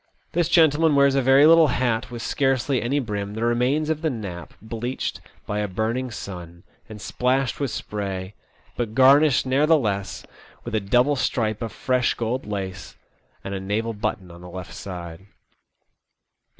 This gentleman wears a very little hat with scarcely any brim, the remains of the nap bleached by TBE OLD SEA DOG. 113 a burning sun and splashed with spray, but garnished nevertheless witli a double stripe of fresh gold lace, and a naval button on the left side.